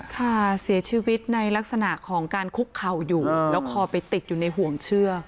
ค่ะเสียชีวิตในลักษณะของการคุกเข่าอยู่แล้วคอไปติดอยู่ในห่วงเชือก